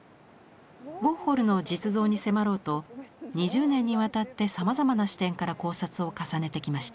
ウォーホルの実像に迫ろうと２０年にわたってさまざまな視点から考察を重ねてきました。